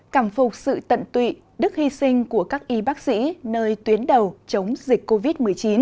cảm phục sự tận tụy đức hy sinh của các y bác sĩ nơi tuyến đầu chống dịch covid một mươi chín